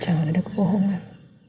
jangan ada kebohongan